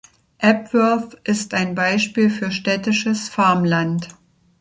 Epworth ist ein Beispiel für „städtisches Farmland“.